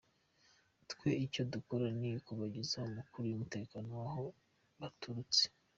Twe icyo dukora ni ukubagezaho amakuru y’umutekano w’aho baturutse.”